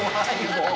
もう。